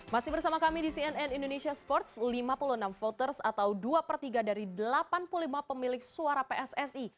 masih bersama kami di cnn indonesia sports lima puluh enam voters atau dua per tiga dari delapan puluh lima pemilik suara pssi